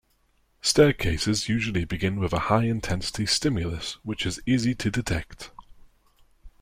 Staircases usually begin with a high intensity stimulus, which is easy to detect.